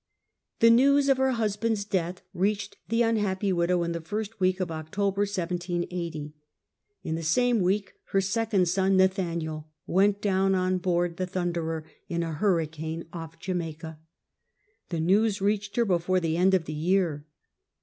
The news of her husband's death reached the unhappy widow in the first week of October 1780. In the same week her second son Nathaniel went down on board the Thunderer in a hurricane off Jamaica. The news reached her before the end of the year.